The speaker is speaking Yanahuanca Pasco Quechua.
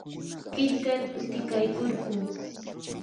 qillqar utikaykurquu.